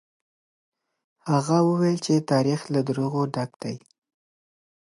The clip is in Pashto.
هغه وويل چې تاريخ له دروغو ډک دی.